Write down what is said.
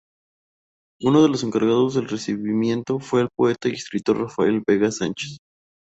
Uno de los encargados del recibimiento fue el poeta y escritor Rafael Vega Sánchez.